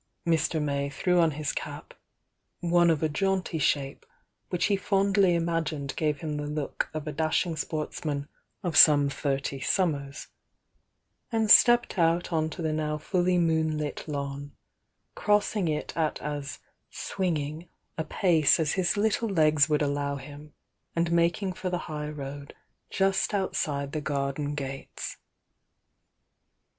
Mr. May threw on his cap, — one of a jaunty shape, which he fondly imagined gave him the look of a dashing sportsman of some thirty summers — and stepped out on to the now fully moonlit lawn, cros'sing it at as "swinging" a pace as his little legs would allow him, and making for the high road just outside the garden gates.